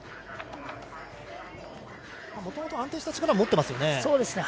もともと安定した力を持っていますよね。